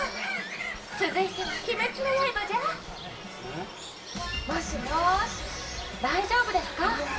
続いては「鬼滅の刃」じゃもしもーし大丈夫ですか？